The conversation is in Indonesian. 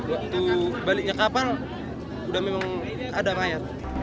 waktu baliknya kapal udah memang ada mayat